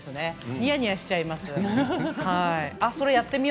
ニヤニヤしちゃいます。